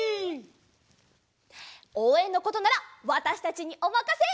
おうえんのことならわたしたちにおまかせ！